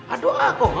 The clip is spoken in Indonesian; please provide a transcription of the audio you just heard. aduh ah kok